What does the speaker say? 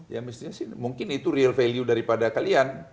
ya mestinya sih mungkin itu real value daripada kalian